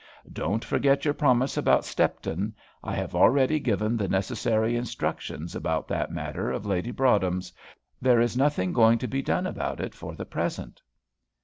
Don't forget your promise about Stepton. I have already given the necessary instructions about that matter of Lady Broadhem's; there is nothing going to be done about it for the present."